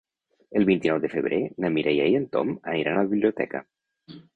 El vint-i-nou de febrer na Mireia i en Tom aniran a la biblioteca.